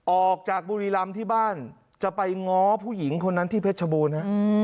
ออกจากบุรีรำที่บ้านจะไปง้อผู้หญิงคนนั้นที่เพชรชบูรณฮะ